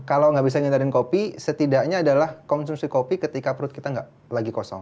kalau nggak bisa nyantarin kopi setidaknya adalah konsumsi kopi ketika perut kita nggak lagi kosong